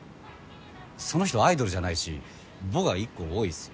その人アイドルじゃないし「ヴォ」が１個多いっす。